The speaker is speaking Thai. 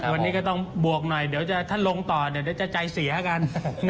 วันนี้ก็ต้องบวกหน่อยเดี๋ยวท่านลงต่อเดี๋ยวจะใจเสียกัน